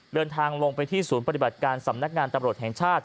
เดินทางลงไปที่ศูนย์ปฏิบัติการสำนักงานตำรวจแห่งชาติ